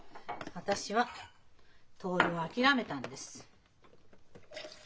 私は徹を諦めたんです。